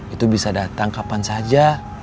itu bisa datang kapan saja